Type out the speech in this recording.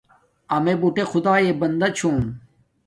امݺ بُٹݺ خدݳیݺ بندݺ چھݸم.